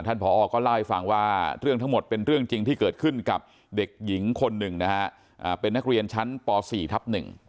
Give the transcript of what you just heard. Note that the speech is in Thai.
ผอก็เล่าให้ฟังว่าเรื่องทั้งหมดเป็นเรื่องจริงที่เกิดขึ้นกับเด็กหญิงคนหนึ่งนะฮะเป็นนักเรียนชั้นป๔ทับ๑